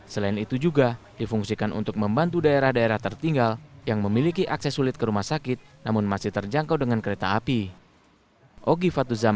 selain itu juga difungsikan untuk membantu daerah daerah tertinggal yang memiliki akses sulit ke rumah sakit namun masih terjangkau dengan kereta api